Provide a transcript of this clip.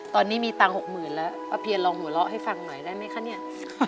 ตอนนี้มีตังค์๖๐๐๐แล้วป้าเพียนลองหัวเราะให้ฟังหน่อยได้ไหมคะเนี่ย